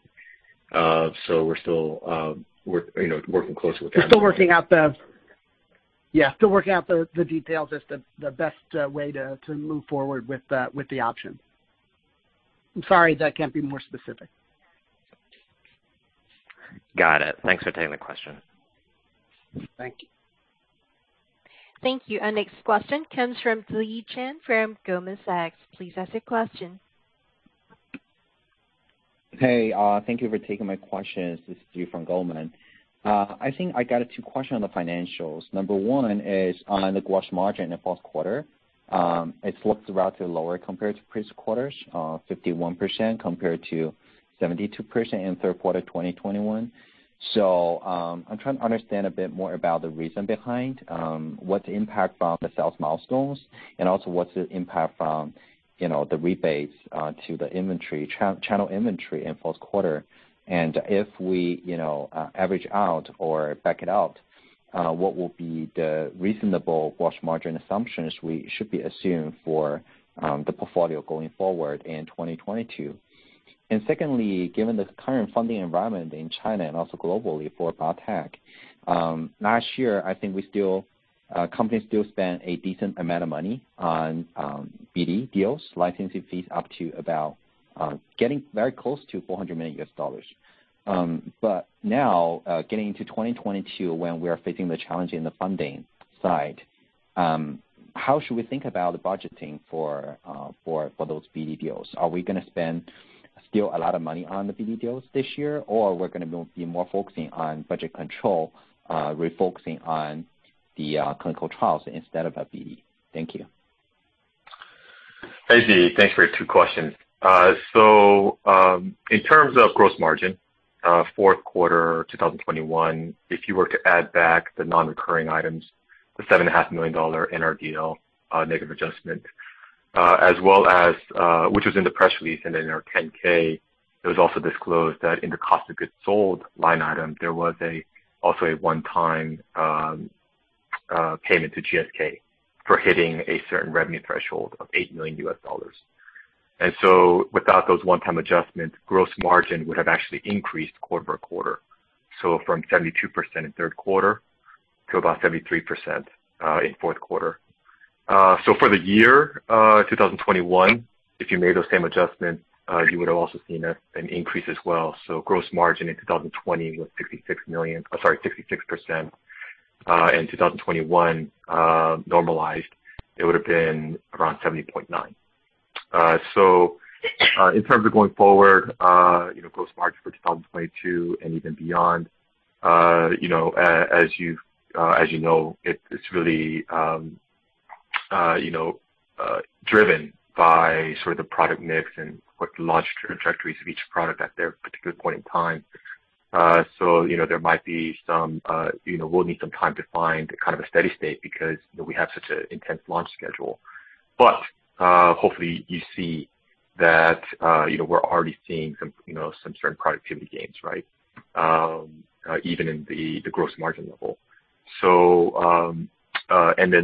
We're still, you know, working closely with Amgen. Still working out the details as to the best way to move forward with the option. I'm sorry that I can't be more specific. Got it. Thanks for taking the question. Thank you. Thank you. Our next question comes from Ziyi Chen from Goldman Sachs. Please ask your question. Thank you for taking my questions. This is Ziyi Chen from Goldman Sachs. I think I got two questions on the financials. Number one is on the gross margin in Q1. It looks rather lower compared to previous quarters, 51% compared to 72% in Q3 of 2021. I'm trying to understand a bit more about the reason behind, what's the impact from the sales milestones, and also what's the impact from, you know, the rebates to the inventory, channel inventory in Q1. If we, you know, average out or back it out, what will be the reasonable gross margin assumptions we should be assuming for the portfolio going forward in 2022? Secondly, given the current funding environment in China and also globally for biotech, last year, I think companies still spent a decent amount of money on BD deals, licensing fees up to about getting very close to $400 million. Now, getting into 2022, when we are facing the challenge in the funding side, how should we think about budgeting for those BD deals? Are we gonna spend still a lot of money on the BD deals this year, or we're gonna be more focusing on budget control, refocusing on the clinical trials instead of a BD? Thank you. Hey, Ziyi. Thanks for your two questions. In terms of gross margin, Q4 2021, if you were to add back the non-recurring items, the $7.5 million NRDL deal negative adjustment, as well as which was in the press release and in our 10-K, it was also disclosed that in the cost of goods sold line item, there was also a one-time payment to GSK for hitting a certain revenue threshold of $8 million. Without those one-time adjustments, gross margin would have actually increased quarter over quarter, so from 72% in Q3 to about 73% in Q4. For the year 2021, if you made those same adjustments, you would have also seen an increase as well. Gross margin in 2020 was 66%, sorry, 66%. In 2021, normalized, it would have been around 70.9%. In terms of going forward, you know, gross margin for 2022 and even beyond, you know, as you know, it's really, you know, driven by sort of the product mix and what the launch trajectories of each product at their particular point in time. You know, there might be some, you know, we'll need some time to find kind of a steady state because, you know, we have such an intense launch schedule. Hopefully you see that, you know, we're already seeing some, you know, some certain productivity gains, right? Even in the gross margin level.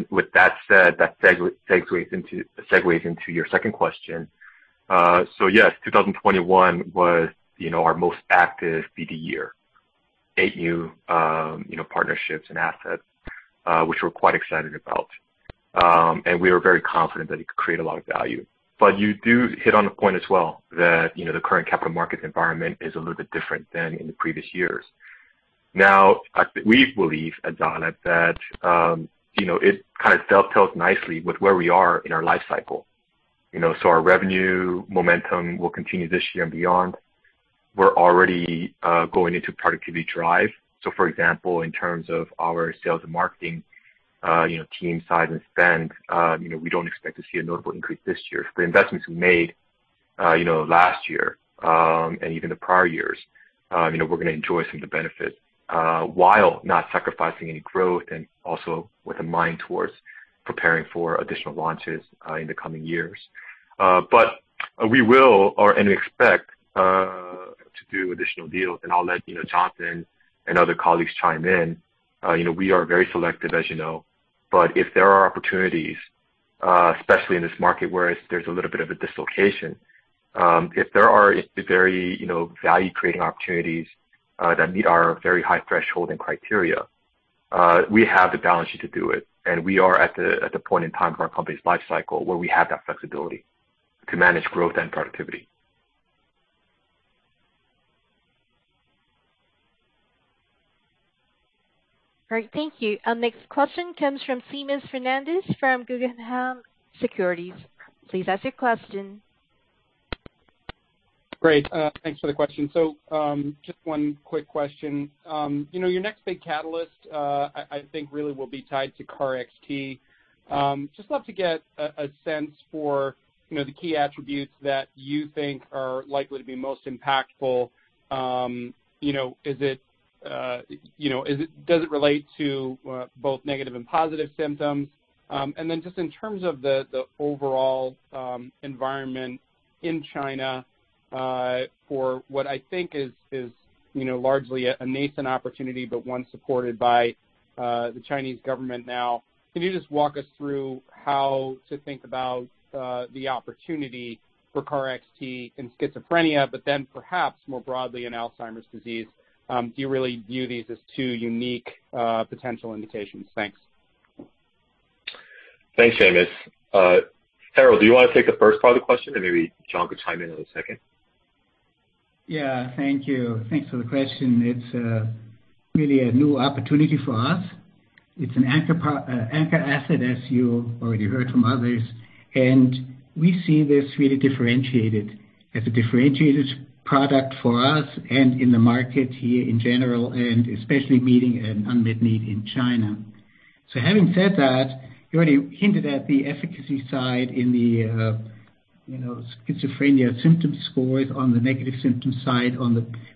With that said, that segues into your second question. Yes, 2021 was, you know, our most active BD year. Eight new partnerships and assets, which we're quite excited about. We are very confident that it could create a lot of value. But you do hit on a point as well that, you know, the current capital market environment is a little bit different than in the previous years. Now, I think we believe at Zai Lab that, you know, it kind of dovetails nicely with where we are in our life cycle. You know, our revenue momentum will continue this year and beyond. We're already going into productivity drive. For example, in terms of our sales and marketing, you know, team size and spend, you know, we don't expect to see a notable increase this year. For the investments we made, you know, last year, and even the prior years, you know, we're gonna enjoy some of the benefits, while not sacrificing any growth and also with a mind towards preparing for additional launches, in the coming years. But we will and we expect to do additional deals, and I'll let you know, Jonathan and other colleagues chime in. You know, we are very selective, as you know. If there are opportunities, especially in this market where there's a little bit of a dislocation, if there are very, you know, value-creating opportunities that meet our very high threshold and criteria, we have the balance sheet to do it. We are at the point in time for our company's life cycle where we have that flexibility to manage growth and productivity. All right. Thank you. Our next question comes from Seamus Fernandez from Guggenheim Securities. Please ask your question. Great. Thanks for the question. Just one quick question. You know, your next big catalyst, I think really will be tied to KarXT. Just love to get a sense for, you know, the key attributes that you think are likely to be most impactful. You know, does it relate to both negative and positive symptoms? In terms of the overall environment in China for what I think is, you know, largely a nascent opportunity but one supported by the Chinese government now, can you just walk us through how to think about the opportunity for KarXT in schizophrenia, but then perhaps more broadly in Alzheimer's disease? Do you really view these as two unique potential indications? Thanks. Thanks, Seamus. Harald, do you wanna take the first part of the question, and maybe Jon could chime in on the second? Yeah. Thank you. Thanks for the question. It's really a new opportunity for us. It's an anchor asset as you already heard from others, and we see this really differentiated, as a differentiated product for us and in the market here in general, and especially meeting an unmet need in China. Having said that, you already hinted at the efficacy side in the, you know, schizophrenia symptom scores on the negative symptom side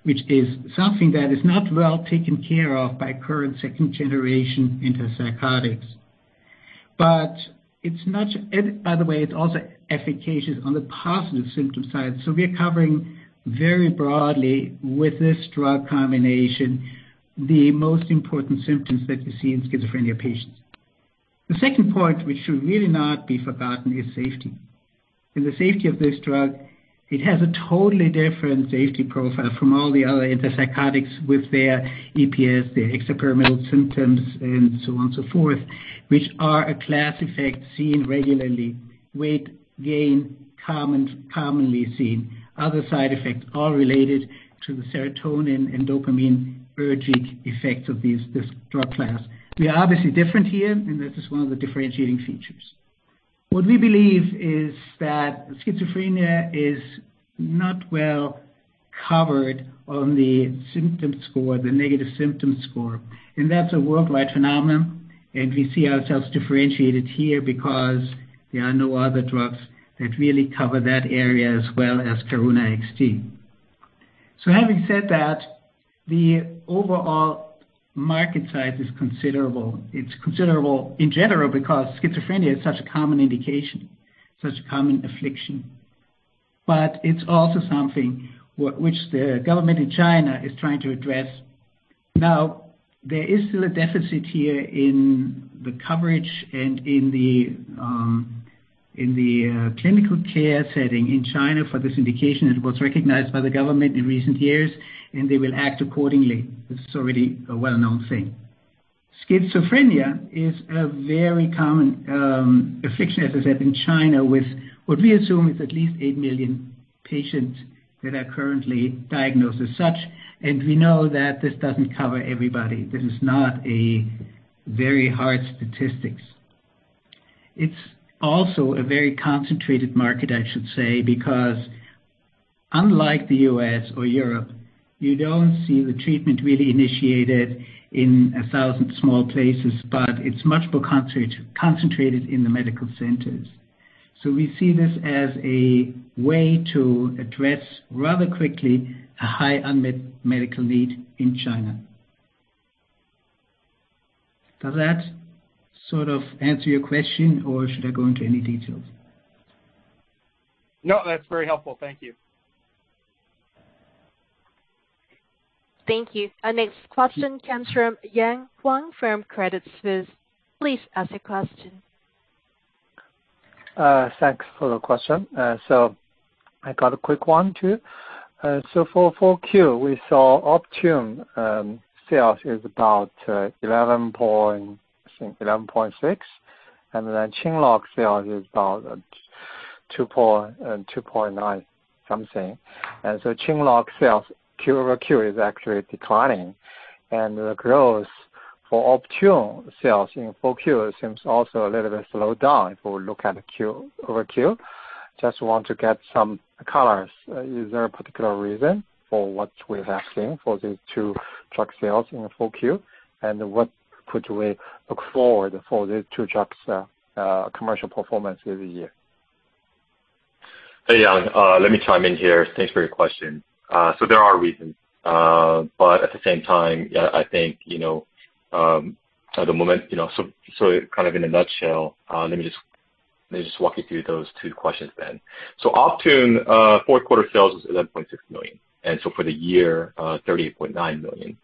which is something that is not well taken care of by current second-generation antipsychotics. By the way, it's also efficacious on the positive symptom side. We are covering very broadly with this drug combination, the most important symptoms that you see in schizophrenia patients. The second point, which should really not be forgotten, is safety and the safety of this drug. It has a totally different safety profile from all the other antipsychotics with their EPS, their extrapyramidal symptoms and so on so forth, which are a class effect seen regularly. Weight gain, commonly seen. Other side effects are related to the serotonin and dopaminergic effects of these, this drug class. We are obviously different here, and this is one of the differentiating features. What we believe is that schizophrenia is not well covered on the symptom score, the negative symptom score, and that's a worldwide phenomenon. We see ourselves differentiated here because there are no other drugs that really cover that area as well as KarXT. Having said that, the overall market size is considerable. It's considerable in general because schizophrenia is such a common indication, such a common affliction, but it's also something which the government in China is trying to address. Now, there is still a deficit here in the coverage and in the clinical care setting in China for this indication. It was recognized by the government in recent years, and they will act accordingly. This is already a well-known thing. Schizophrenia is a very common affliction, as I said in China, with what we assume is at least eight million patients that are currently diagnosed as such. We know that this doesn't cover everybody. This is not a very hard statistics. It's also a very concentrated market, I should say, because unlike the U.S. or Europe, you don't see the treatment really initiated in 1,000 small places, but it's much more concentrated in the medical centers. We see this as a way to address rather quickly a high unmet medical need in China. Does that sort of answer your question, or should I go into any details? No, that's very helpful. Thank you. Thank you. Our next question comes from Yang Huang from Credit Suisse. Please ask your question. Thanks for the question. I got a quick one too. Q4, we saw Optune sales is about $11.6, and then QINLOCK sales is about $2 point something. QINLOCK sales quarter-over-quarter is actually declining. The growth for Optune sales in Q4 seems also a little bit slowed down if we look at quarter-over-quarter. I just want to get some color. Is there a particular reason for what we have seen for these two drug sales in Q4? What could we look forward for the two drugs commercial performance every year? Hey, Yang. Let me chime in here. Thanks for your question. There are reasons. But at the same time, yeah, I think, you know, at the moment, you know, kind of in a nutshell, let me just walk you through those two questions then. Optune Q4 sales is $11.6 million. For the year, $38.9 million.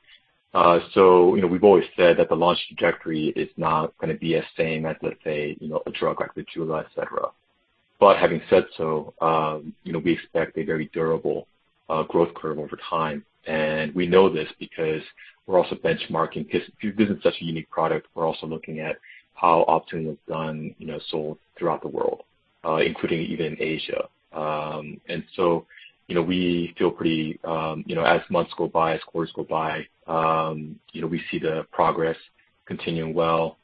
You know, we've always said that the launch trajectory is not gonna be the same as, let's say, you know, a drug like ZEJULA, et cetera. But having said so, you know, we expect a very durable growth curve over time. We know this because we're also benchmarking. This is such a unique product. We're also looking at how Optune has done, you know, sold throughout the world, including even Asia. We feel pretty, you know, as months go by, as quarters go by, you know, we see the progress continuing well.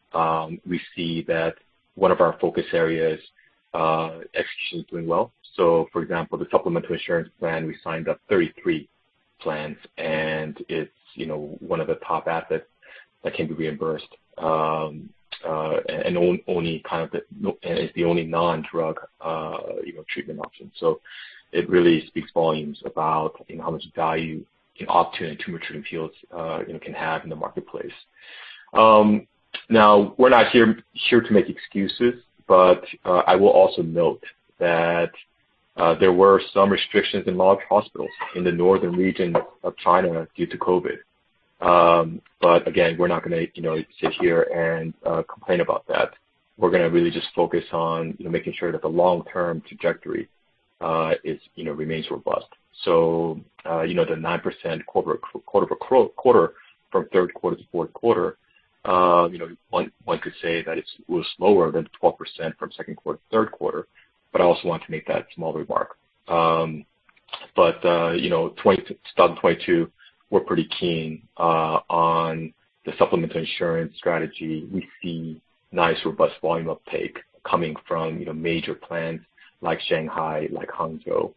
We see that one of our focus areas, execution is doing well. For example, the supplemental insurance plan, we signed up 33 plans, and it's, you know, one of the top assets that can be reimbursed. It's the only non-drug, you know, treatment option. It really speaks volumes about, you know, how much value Optune Tumor Treating Fields, you know, can have in the marketplace. Now, we're not here to make excuses, but I will also note that there were some restrictions in large hospitals in the northern region of China due to COVID. Again, we're not gonna, you know, sit here and complain about that. We're gonna really just focus on, you know, making sure that the long-term trajectory is, you know, remains robust. You know, the 9% quarter-over-quarter from Q3 to Q4, you know, one could say that it was slower than the 12% from Q2 to Q3, but I also want to make that small remark. You know, starting 2022, we're pretty keen on the supplemental insurance strategy. We see nice, robust volume uptake coming from, you know, major plans like Shanghai, like Hangzhou.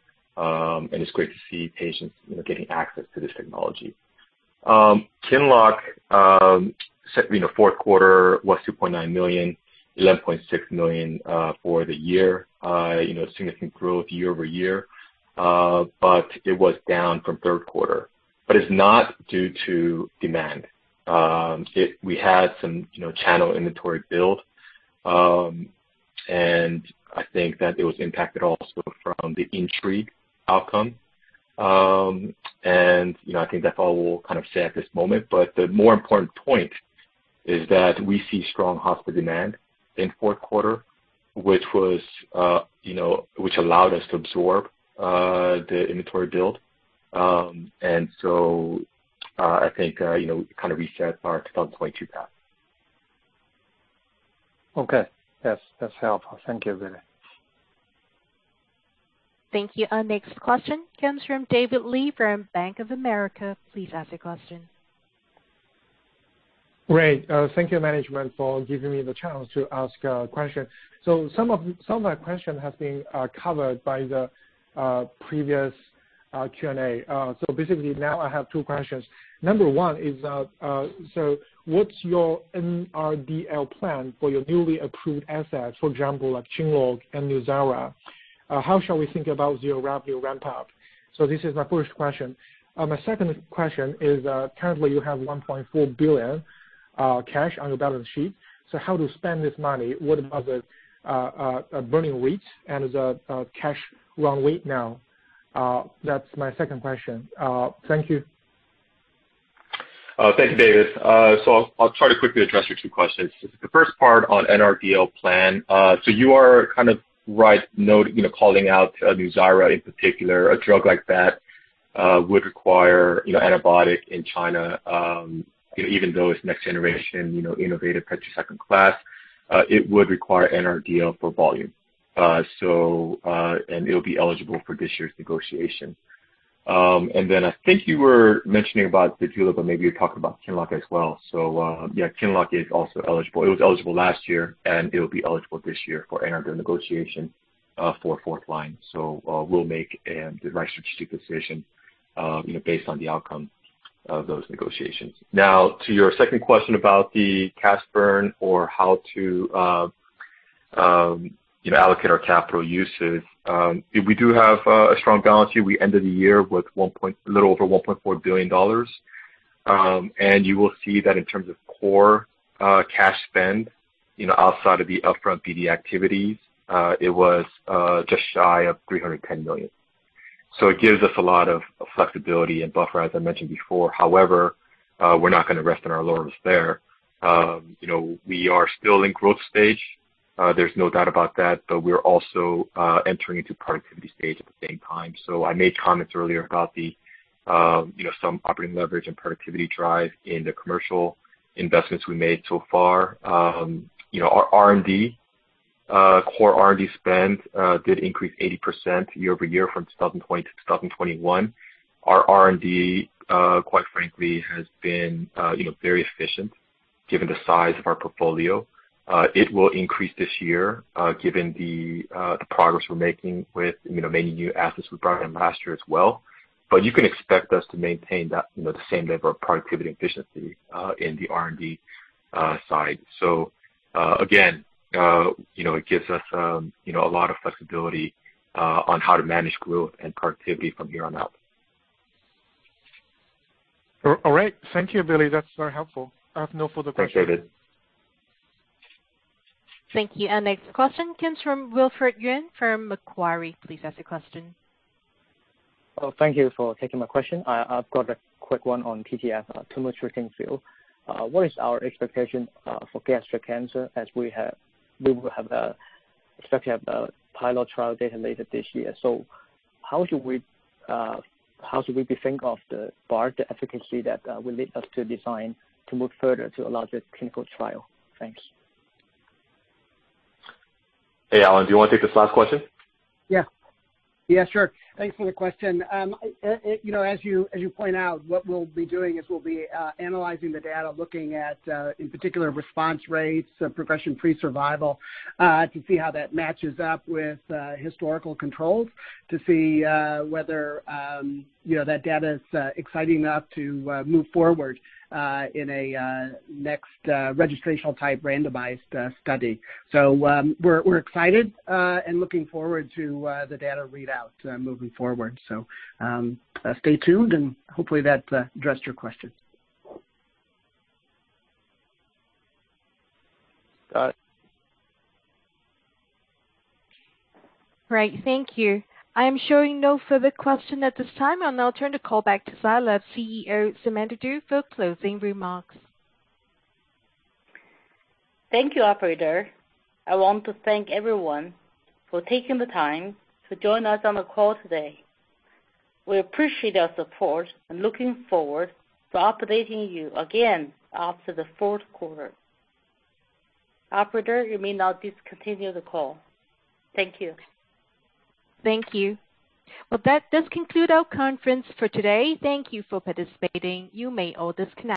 It's great to see patients, you know, getting access to this technology. QINLOCK, you know, Q4 was $2.9, 11.6 million for the year. You know, significant growth year-over-year, but it was down from third quarter. It's not due to demand. We had some, you know, channel inventory build, and I think that it was impacted also from the INTRIGUE outcome. You know, I think that's all we'll kind of say at this moment. The more important point is that we see strong hospital demand in Q4, which was, you know, which allowed us to absorb the inventory build. I think, you know, kind of reset our 2022 path. Okay. Yes, that's helpful. Thank you, Billy. Thank you. Our next question comes from David Li from Bank of America. Please ask your question. Great. Thank you management for giving me the chance to ask a question. Some of my question has been covered by the previous Q&A. Basically now I have two questions. Number one is, so what's your NRDL plan for your newly approved assets, for example, like QINLOCK and NUZYRA? How shall we think about your ramp up? This is my first question. My second question is, currently you have $1.4 billion cash on your balance sheet. So how to spend this money? What about the burning rates and the cash run rate now? That's my second question. Thank you. Thank you, David. I'll try to quickly address your two questions. The first part on NRDL plan. You are kind of right, no, you know, calling out NUZYRA in particular. A drug like that would require, you know, antibiotic in China, even though it's next generation, you know, innovative breakthrough second class, it would require NRDL for volume. It'll be eligible for this year's negotiation. I think you were mentioning about ZEJULA, but maybe you're talking about QINLOCK as well. QINLOCK is also eligible. It was eligible last year, and it'll be eligible this year for NRDL negotiation for fourth line. We'll make the right strategic decision, you know, based on the outcome of those negotiations. Now, to your second question about the cash burn or how to, you know, allocate our capital usage. We do have a strong balance sheet. We ended the year with little over $1.4 billion. You will see that in terms of core cash spend, you know, outside of the upfront BD activities, it was just shy of $310 million. It gives us a lot of flexibility and buffer, as I mentioned before. However, we're not gonna rest on our laurels there. You know, we are still in growth stage, there's no doubt about that, but we're also entering into productivity stage at the same time I made comments earlier about the, you know, some operating leverage and productivity drive in the commercial investments we made so far. You know, our R&D core R&D spend did increase 80% year-over-year from 2020 to 2021. Our R&D quite frankly has been you know very efficient given the size of our portfolio. It will increase this year given the progress we're making with you know many new assets we brought in last year as well. You can expect us to maintain that you know the same level of productivity efficiency in the R&D side. Again you know it gives us you know a lot of flexibility on how to manage growth and productivity from here on out. All right. Thank you, Billy. That's very helpful. I have no further questions. Thanks, David. Thank you. Our next question comes from Wilfred Yuen from Macquarie. Please ask your question. Oh, thank you for taking my question. I've got a quick one on TTFs, Tumor Treating Fields. What is our expectation for gastric cancer as we expect to have a pilot trial data later this year. How should we be thinking of the BART efficacy that will lead us to decide to move further to a larger clinical trial? Thank you Hey, Alan, do you wanna take this last question? Yeah. Yeah, sure. Thanks for the question. You know, as you point out, what we'll be doing is analyzing the data, looking at in particular response rates, progression-free survival, to see how that matches up with historical controls to see whether you know that data is exciting enough to move forward in a next registrational type randomized study. We're excited and looking forward to the data readout moving forward. Stay tuned, and hopefully that addressed your question. Got it. Great. Thank you. I am showing no further question at this time. I'll now turn the call back to Zai Lab CEO, Samantha Du, for closing remarks. Thank you, operator. I want to thank everyone for taking the time to join us on the call today. We appreciate your support and looking forward to updating you again after Q4. Operator, you may now discontinue the call. Thank you. Thank you. Well, that does conclude our conference for today. Thank you for participating. You may all disconnect.